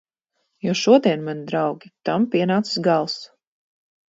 Jo šodien, mani draugi, tam pienācis gals!